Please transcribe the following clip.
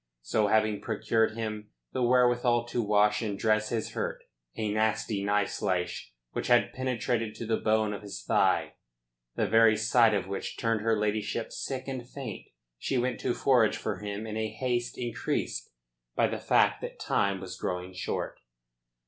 So having procured him the wherewithal to wash and dress his hurt a nasty knife slash which had penetrated to the bone of his thigh, the very sight of which turned her ladyship sick and faint she went to forage for him in a haste increased by the fact that time was growing short.